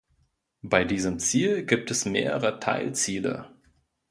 Bei diesem Ziel gibt es mehrere Teilziele.